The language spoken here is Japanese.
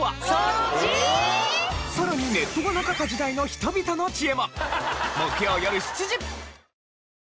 さらにネットがなかった時代の人々の知恵も。